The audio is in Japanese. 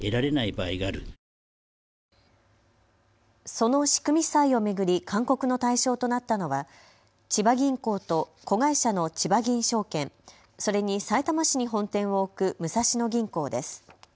その仕組み債を巡り勧告の対象となったのは千葉銀行と子会社のちばぎん証券、それにさいたま市に本店を置く武蔵野銀行です。